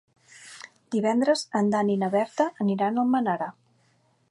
Divendres en Dan i na Berta aniran a Almenara.